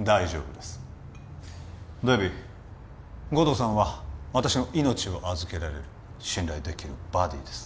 大丈夫ですデビー護道さんは私の命を預けられる信頼できるバディです